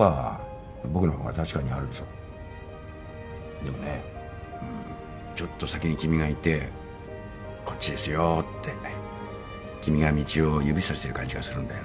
でもねうんちょっと先に君がいてこっちですよって君が道を指さしてる感じがするんだよな。